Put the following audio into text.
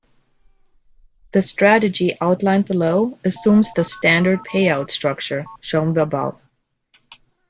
The strategy outlined below assumes the standard payout structure shown above.